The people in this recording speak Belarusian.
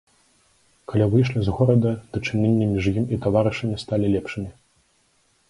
Калі выйшлі з горада, дачыненні між ім і таварышамі сталі лепшымі.